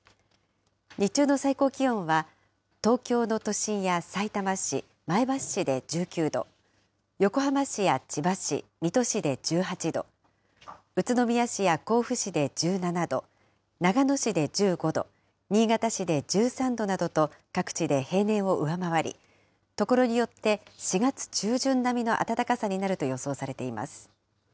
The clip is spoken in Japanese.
日中の最高気温は、東京の都心やさいたま市、前橋市で１９度、横浜市や千葉市、水戸市で１８度、宇都宮市や甲府市で１７度、長野市で１５度、新潟市で１３度などと、各地で平年を上回り、所によって４月中旬並みの暖かさになると予想されています。